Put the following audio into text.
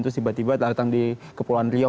terus tiba tiba datang di kepulauan riau